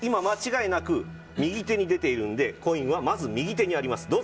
間違いなく右手に出ているのでコインは右手にあります。